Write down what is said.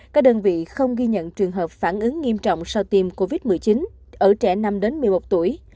các đơn vị không ghi nhận trường hợp phản ứng nghiêm trọng sau tiêm covid một mươi chín ở trẻ năm đến một mươi một tuổi